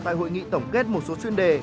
tại hội nghị tổng kết một số chuyên đề